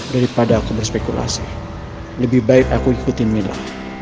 daripada aku berspekulasi lebih baik aku ikutin mila